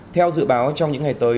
theo dự báo trong những ngày tới